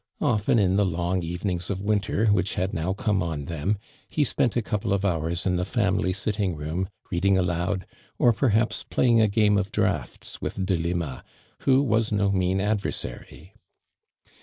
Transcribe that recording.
Often in the long evenings of winter, which had now come on them, he spent a coui)le of hours in .the family sitting room, reading aloud, or perhaps playing a game of drafts with Delima, who was no mean adversary.